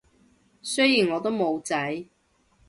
雖然我都冇仔